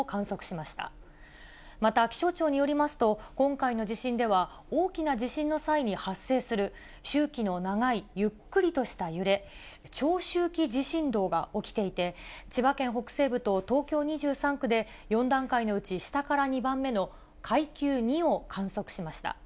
また、気象庁によりますと、今回の地震では、大きな地震の際に発生する、周期の長いゆっくりとした揺れ、長周期地震動が起きていて、千葉県北西部と東京２３区で、４段階のうち下から２番目の階級２を観測しました。